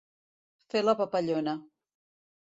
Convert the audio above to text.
Fer la papallona.